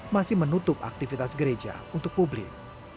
masih menutup aktivitas gereja untuk publik